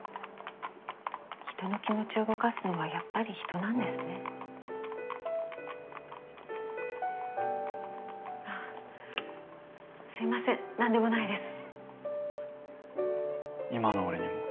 人の気持ちを動かすのはやっぱり人なんであぁすいません何でもないです。